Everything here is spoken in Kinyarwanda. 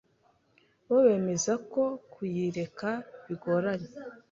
bo bemeza ko kuyireka bigoranye.